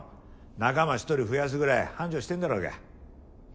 仲間一人増やすぐらい繁盛してんだろうが。